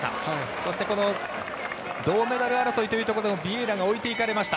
そしてこの銅メダル争いというところでビエイラが置いていかれました。